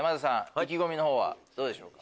意気込みの方はどうでしょうか？